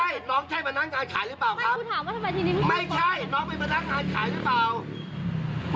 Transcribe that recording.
ไม่น้องเป็นพนักงานขายหรือเปล่าครับ